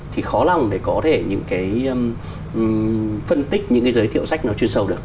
thì khó lòng để có thể những cái phân tích những cái giới thiệu sách nó chuyên sâu được